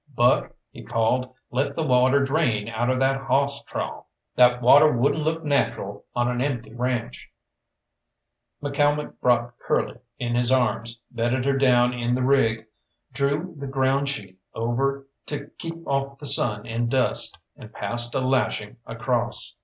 "Buck," he called, "let the water drain out of that hoss trough. That water wouldn't look natural on an empty ranche." McCalmont brought Curly in his arms, bedded her down in the rig, drew the ground sheet over to keep off the sun and dust, and passed a lashing across.